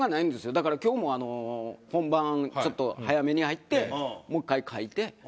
だから今日もあの本番ちょっと早めに入ってもう１回書いて確認して。